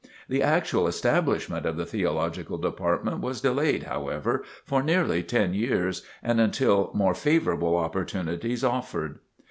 The actual establishment of the Theological Department was delayed, however, for nearly ten years and until more favorable opportunities offered.